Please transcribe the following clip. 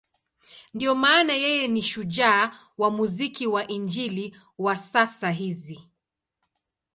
Ndiyo maana yeye ni shujaa wa muziki wa Injili wa sasa hizi.